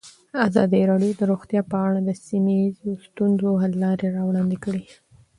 ازادي راډیو د روغتیا په اړه د سیمه ییزو ستونزو حل لارې راوړاندې کړې.